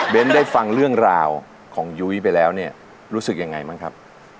ได้ฟังเรื่องราวของยุ้ยไปแล้วเนี่ยรู้สึกยังไงบ้างครับ